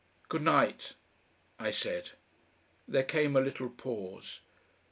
"Good night," I said. There came a little pause.